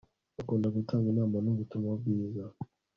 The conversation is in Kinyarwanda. akunda gutanga inama Nubutumwa bwiza